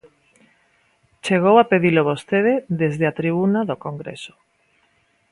Chegou a pedilo vostede desde a tribuna do Congreso.